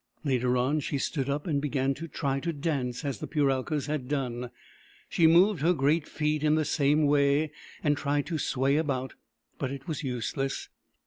Later on, she stood up and began to try to dance as the Puralkas had done. She moved her great feet in the same way, and tried to sway about ; but it was useless.